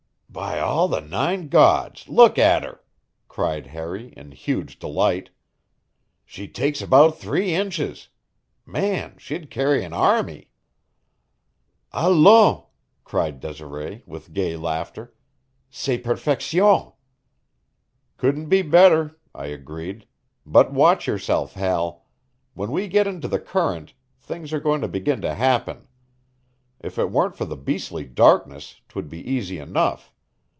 "By all the nine gods, look at her!" cried Harry in huge delight. "She takes about three inches! Man, she'd carry an army!" "Allons!" cried Desiree, with gay laughter. "C'est Perfection!" "Couldn't be better," I agreed; "but watch yourself, Hal. When we get into the current things are going to begin to happen. If it weren't for the beastly darkness 'twould be easy enough.